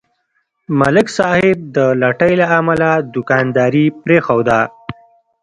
ملک صاحب د لټۍ له امله دوکانداري پرېښوده.